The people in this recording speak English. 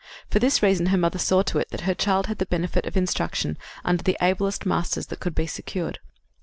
For this reason her mother saw to it that her child had the benefit of instruction under the ablest masters that could be secured.